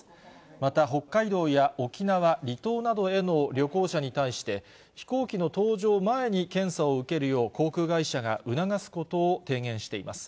また、北海道や沖縄、離島などへの旅行者に対して、飛行機の搭乗前に検査を受けるよう、航空会社が促すことを提言しています。